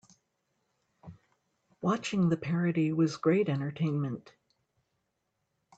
Watching the parody was great entertainment.